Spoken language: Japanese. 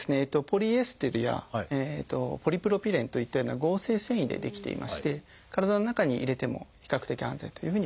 ポリエステルやポリプロピレンといったような合成繊維で出来ていまして体の中に入れても比較的安全というふうにいわれています。